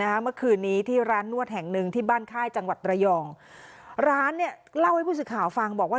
เมื่อคืนนี้ที่ร้านนวดแห่งหนึ่งที่บ้านค่ายจังหวัดระยองร้านเนี่ยเล่าให้ผู้สื่อข่าวฟังบอกว่า